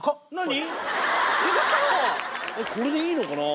これでいいのかな。